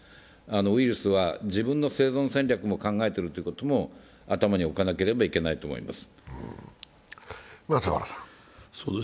ウイルスは自分の生存戦略も考えているということも頭に置かなければいけないと思います。